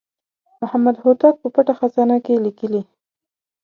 محمد هوتک په پټه خزانه کې لیکلي.